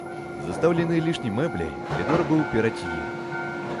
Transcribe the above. Застаўлены лішняй мэбляй калідор быў перад ім.